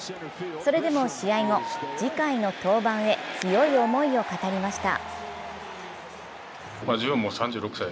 それでも試合後、次回の登板へ強い思いを語りました。